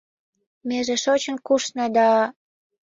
Меже шочын кушна да